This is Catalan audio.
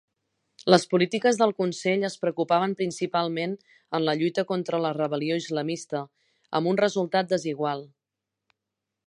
Les polítiques del consell es preocupaven principalment en la lluita contra la rebel·lió islamista, amb un resultat desigual.